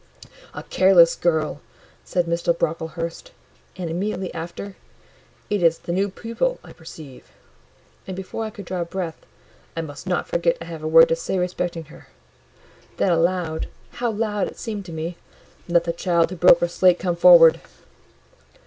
"A careless girl!" said Mr. Brocklehurst, and immediately after—"It is the new pupil, I perceive." And before I could draw breath, "I must not forget I have a word to say respecting her." Then aloud: how loud it seemed to me! "Let the child who broke her slate come forward!"